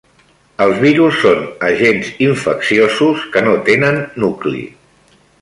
Els virus són agents infecciosos que no tenen nucli.